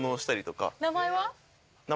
名前は？